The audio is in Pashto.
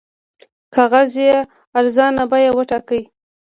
کاغذ یې ارزان بیه وټاکئ.